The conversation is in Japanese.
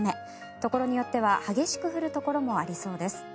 ところによっては激しく降るところもありそうです。